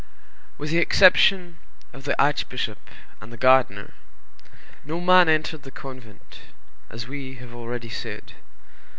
With the exception of the archbishop and the gardener, no man entered the convent, as we have already said.